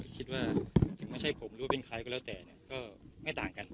คิดว่าถึงไม่ใช่ผมหรือว่าเป็นใครก็แล้วแต่เนี่ยก็ไม่ต่างกัน